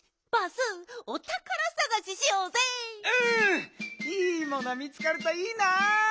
いいもの見つかるといいなあ！